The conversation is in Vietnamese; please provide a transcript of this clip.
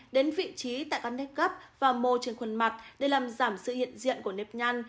đến vị trí tại các nước cấp và mô trên khuôn mặt để làm giảm sự hiện diện của nếp nhăn